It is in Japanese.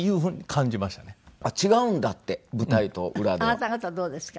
あなた方どうですか？